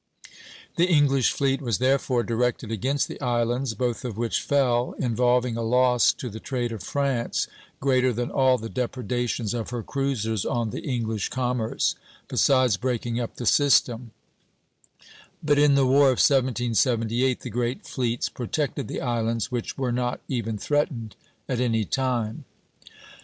The English fleet was therefore directed against the islands, both of which fell, involving a loss to the trade of France greater than all the depredations of her cruisers on the English commerce, besides breaking up the system; but in the war of 1778 the great fleets protected the islands, which were not even threatened at any time.